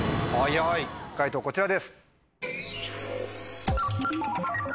解答こちらです。